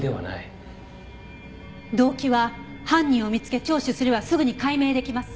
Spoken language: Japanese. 動機は犯人を見つけ聴取すればすぐに解明できます。